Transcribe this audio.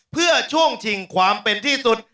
เพื่อช่วงชิงความเป็นที่สุด